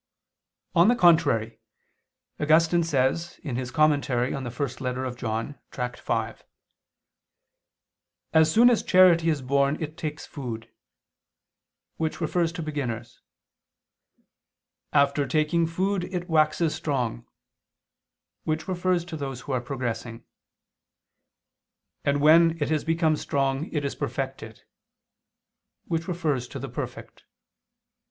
On the contrary, Augustine says (In prim. canon. Joan. Tract. v) "As soon as charity is born it takes food," which refers to beginners, "after taking food, it waxes strong," which refers to those who are progressing, "and when it has become strong it is perfected," which refers to the perfect.